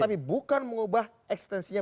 tapi bukan mengubah eksistensinya